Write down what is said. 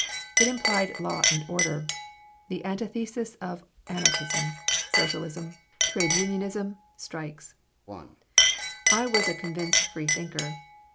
It implied law and order, the antithesis of anarchism, socialism, trade unionism, strikes I was a convinced free thinker.